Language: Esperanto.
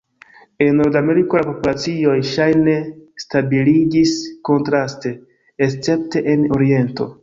En Nordameriko la populacioj ŝajne stabiliĝis kontraste, escepte en oriento.